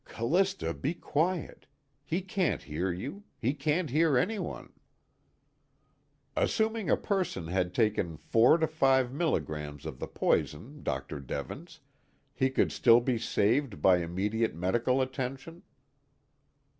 Callista, be quiet! He can't hear you. He can't hear anyone. "Assuming a person had taken four to five milligrams of the poison, Dr. Devens, he could still be saved by immediate medical attention?"